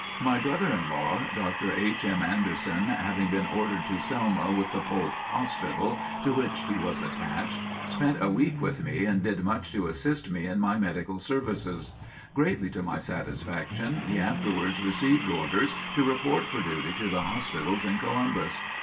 My brother in law, Dr. H. M. Anderson, having been ordered to Selma with the Polk Hospital to which he was attached, spent a week with me and did much to assist me in my medical services. Greatly to my satisfaction he afterwards received orders to report for duty to the hospitals in Columbus.